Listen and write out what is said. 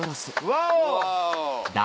ワオ！